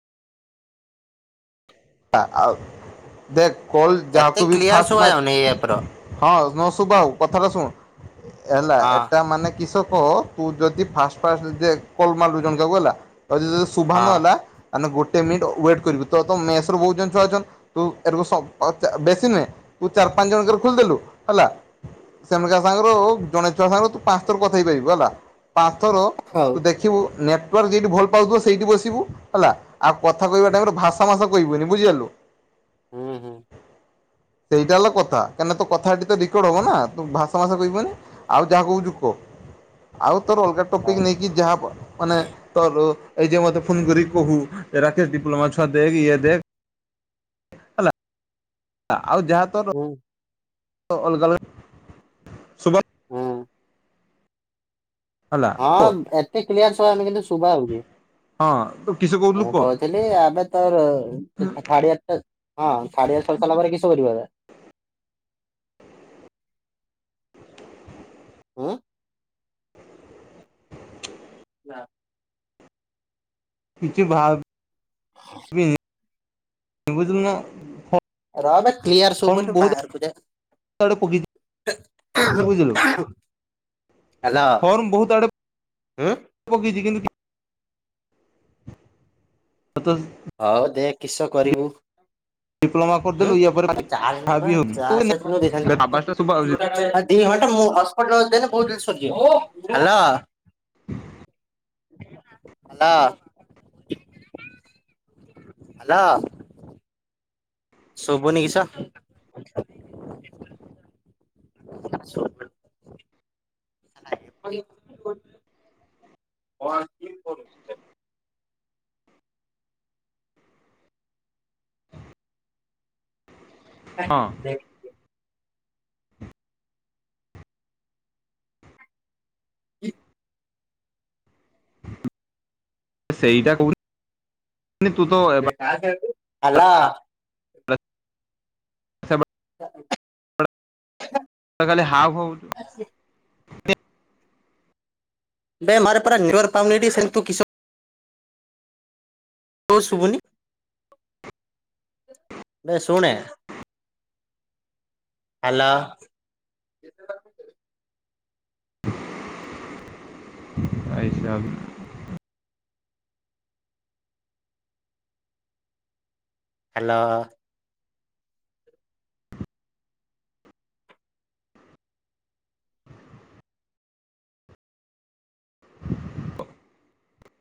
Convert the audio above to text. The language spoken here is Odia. ତା ଆଉ ଦେଖ କଲ ଏତେ ଯାହାକୁ ବି କ୍ଲିୟର ଫାଷ୍ଟ ଶୁଭା ଯାଉନି ଏଇ ଆପ ର ମାରେ ହଁ ନ ଶୁବା ହଉ କଥାଟା ଶୁଣ ହେଲା। ହଁ ଏଟା ମାନେ କିସ କ ତୁ ଯଦି ଫାଷ୍ଟ ଫାଷ୍ଟ ଦେଖ କଲ ମାଲୁ ଜଣକାକୁ ହେଲା ଯଦି ଶୁଭା ହଁ ନ ହେଲା ତାନେ ଗୋଟେ ମିନିଟ ୱେଟ କରିବୁ। ତ ତ ମେସ ରୁ ବହୁତ ଜଣ ଛୁଆ ଅଛନ୍ ତୁ ଏକୁ ବେଶୀ ନୁହେଁ। ତୁ ଚାରି ପାଞ୍ଚ ଜଣଙ୍କର ଖୋଲିଦେଲୁ ହେଲା। ସେମକା ସାଙ୍ଗରେଉ ଜଣେ ଛୁଆ ସାଙ୍ଗରୁ ତୁ ପାଞ୍ଚ ଥର କଥା ହେଇପାରିବୁ ହେଲା। ପାଞ୍ଚ ଥର ତୁ ଦେଖିବୁ ନେଟ୍ ନେଟ୍ ୱର୍କ ଯେଉଁଠି ଭଲ ପାଉଥିବ ସେଇଠି ବସିବୁ ହେଲା। ଆଉ କଥା କହିବା ଟାଇମ ରେ ଭାଷ ଭାଷା ମାଶା କହିବନି ବୁଝିିପାଲୁ। ହୁଁ ହୁଁ। ସେଇଟା ହେଲା କଥା କାହିଁକି ନା ତୋ କଥା ଏଠି ତ ରେକର୍ଡ ହବ ନା ତୁ ଭାଷ ମାସା କହିବୁନି। ଆଉ ଯାହା କଉଚୁ କ। ଆଉ ତୋର ଅଲଗା ଟପିକ୍ ହଉ ନେଇକି ଯାହା ମାନେ ତୋର ଏଇ ଯେ ମୋତେ ଫୋନ୍ କରିକି କହୁ ରାକେଶ ଡିପ୍ଲୋମା ଛୁ ଛୁଆ ଦେଖ ଇଏ ଦେଖ। ହେଲା। ଆଉ ଯାହା ତୋର। ହୁଁ। ଅଲଗା ଅଲଗା ଶୁଭ ହୁଁ ହେଲା କହ ହଁ ଏତେ କ୍ଲିୟର ଶୁଭା ଜାଉନି, କିନ୍ତୁ ଶୁଭା ଯାଉଚି। ହଁ ତ କିସ କହୁଥିଲୁ କହ। ଏବେ ତୋର ଥାର୍ଡ଼ ଇୟର ହଁ ଥାର୍ଡ଼ ଇୟର ସରି ସାରିଲା ପରେ କିସ କରିବ ଏବେ? ଏଁ। ନାଁ। କିଛି ଭାବିନି ବୁଝିଲୁନା ହଁ ରହବେ କ୍ଲିୟର ସବୁନୁ ବାହାରକୁ ଯାଏ। ପକି ବୁଝିଲୁ ଫର୍ମ ବହୁତ ଆ ଉଁ? ପକେଇଛି କିନ୍ତୁ କି [unintelligible] ହଉ ଦେଖ୍ କିସ କରିବୁ? ଡିପଲୋମା କର୍ ହୁଁ ଚାର୍ଜ ନାଇଁବା ଚାର୍ଜ ଦେଇଥାନ୍ତି ଆବାଜଟା ଶୁଭା ଯାଉଛି [unintelligible] ଦି ଘଣ୍ଟା ମୁଁ ହର୍ଶପଟ୍ ଦେଲେ ବହୁତ୍ ଜିବି ସରିଯିବ ହାଲୋ। [inaudible] Hello hello. ଶୁଭୁନି କିସ? [inaudible] [unintelligible] [unintelligible] ହଁ [unintelligible] [unintelligible] ସେଇଟା କହୁନି ତୁତ ହାଲୋ। [inaudible] ଖାଲି ହାଉ ହାଉ ହଉଚୁ ବେମୋର ପରା ନେଟୱାର୍କ ପାଉନି ସେଣେ ତୁକିସ ତୋର ଶୁଭୁନି ବେ ଶୁଣେ ହାଲୋ। [unintelligible] ହାଲୋ।